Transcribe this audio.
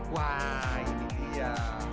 wah ini dia